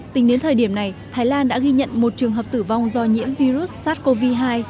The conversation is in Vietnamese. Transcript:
tính đến thời điểm này thái lan đã ghi nhận một trường hợp tử vong do nhiễm virus sars cov hai